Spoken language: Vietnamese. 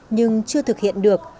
nhưng chưa thực hiện được